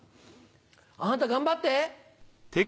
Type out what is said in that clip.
あなた頑張って。